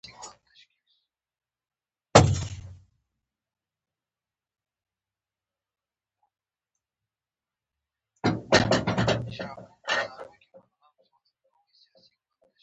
نوي مواد ټول خواص یې له لومړنیو موادو سره توپیر لري.